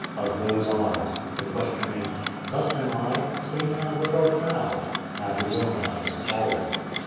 of those eyes, the questioning " Thus am I. Say now what art thou ?" had his own eyes fallen!